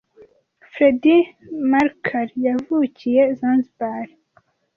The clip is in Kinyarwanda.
Freddie Mercury yavukiye Zanzibar